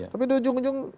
tapi di ujung ujung